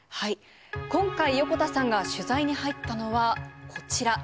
今回、横田さんが取材に入ったのは、こちら。